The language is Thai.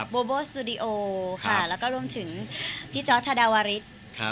โบโบสตูดิโอค่ะแล้วก็รวมถึงพี่จอร์ดธดาวริส